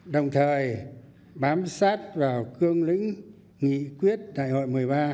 đồng thời bám sát vào cương lĩnh nghị quyết đại hội một mươi ba